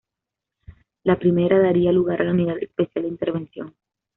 La primera daría lugar a la Unidad Especial de Intervención.